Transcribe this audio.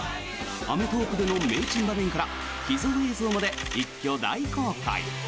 「アメトーーク！」での名珍場面から秘蔵映像まで一挙大公開。